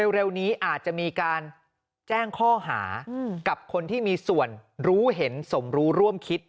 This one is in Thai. เร็วนี้อาจจะมีการแจ้งข้อหากับคนที่มีส่วนรู้เห็นสมรู้ร่วมคิด